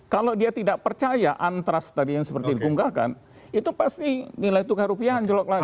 kalau dia tidak percaya antras tadi yang seperti dikunggahkan itu pasti nilai tukar rupiah anjlok lagi